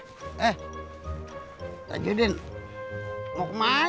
kita pergi biar kakak lagi